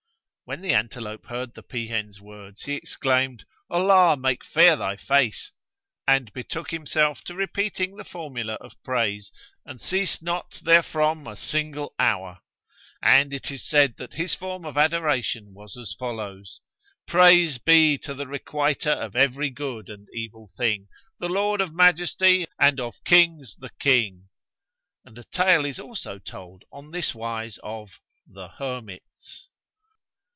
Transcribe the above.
'" When the antelope heard the peahen's words he exclaimed, "Allah make fair thy face!" and betook himself to repeating the formula of praise, and ceased not there from a single hour. And it is said that his form of adoration was as follows, "Praise be to the Requiter of every good and evil thing, the Lord of Majesty and of Kings the King!" And a tale is also told on this wise of The Hermits.